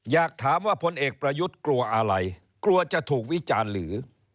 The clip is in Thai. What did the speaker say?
อยากถามว่าพลเอกประยุทธ์กลัวอะไรกลัวจะถูกวิจารณ์หรือ